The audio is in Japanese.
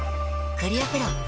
クリアプロだＣ。